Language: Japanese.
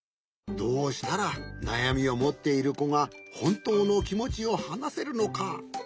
どうしたらなやみをもっているこがほんとうのきもちをはなせるのか。